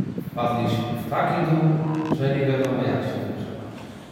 "Wpadliśmy w taki dół, że niewiadomo, jak się wygrzebać."